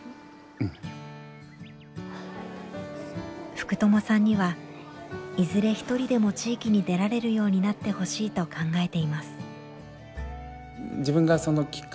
福朋さんにはいずれ独りでも地域に出られるようになってほしいと考えています。